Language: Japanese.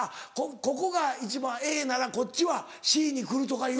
ここがＡならこっちはＣに来るとかいう？